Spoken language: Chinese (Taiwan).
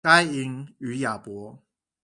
該隱與亞伯